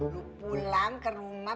lo pulang ke rumah